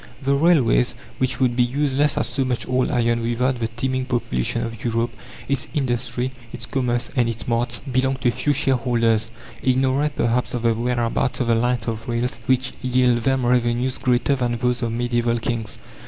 The railways, which would be useless as so much old iron without the teeming population of Europe, its industry, its commerce, and its marts, belong to a few shareholders, ignorant perhaps of the whereabouts of the lines of rails which yield them revenues greater than those of medieval kings.